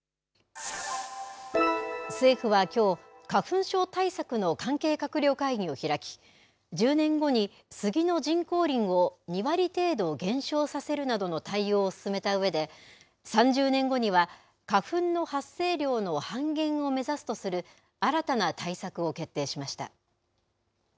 政府はきょう、花粉症対策の関係閣僚会議を開き、１０年後にスギの人工林を２割程度減少させるなどの対応を進めたうえで、３０年後には花粉の発生量の半減を目指すとする新たな対策を決定